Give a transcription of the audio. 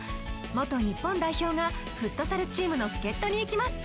元日本代表がフットサルチームの助っ人に行きます